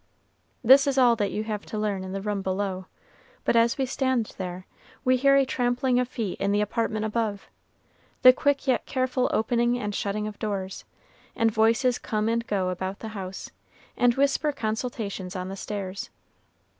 This is all that you have to learn in the room below; but as we stand there, we hear a trampling of feet in the apartment above, the quick yet careful opening and shutting of doors, and voices come and go about the house, and whisper consultations on the stairs.